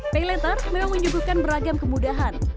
pay letter memang menyuguhkan beragam kemudahan